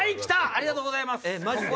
ありがとうございます。